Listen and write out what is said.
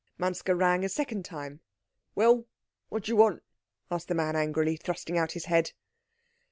Manske rang a second time. "Well, what do you want?" asked the man angrily, thrusting out his head.